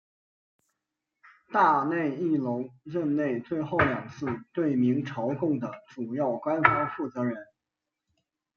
大内义隆任内最后两次对明朝贡的主要官方负责人。